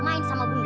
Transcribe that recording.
main sama bunda